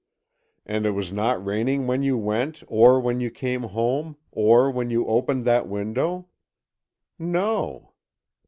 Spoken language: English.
"And it was not raining when you went, or when you came home, or when you opened that window?" "No."